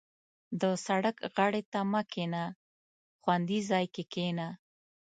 • د سړک غاړې ته مه کښېنه، خوندي ځای کې کښېنه.